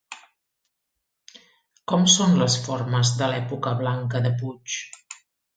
Com són les formes de l'època blanca de Puig?